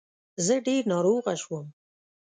زه ډير ناروغه شوم